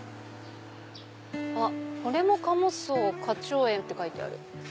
あっこれも加茂荘花鳥園って書いてある。